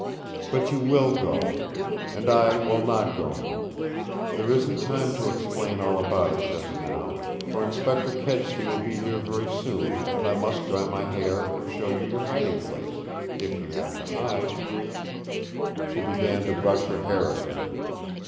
But you will go. And I will not go. There isn't time to explain all about it just now, for Inspector Kedsty will be here very soon, and I must dry my hair and show you your hiding place if you have to hide." She began to brush her hair again.